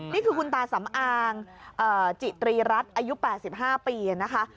นี่คือคุณตาสำอางจิตรีรัฐอายุ๘๕ปีนะคะ